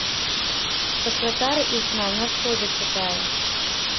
Сакратар іх нам на сходзе чытае.